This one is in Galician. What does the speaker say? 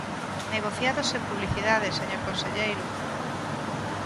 Negociado sen publicidade, señor conselleiro.